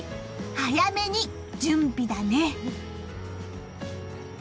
早めに準備だね。